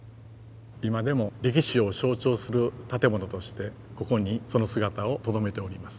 今でも歴史を象徴する建物としてここにその姿をとどめております。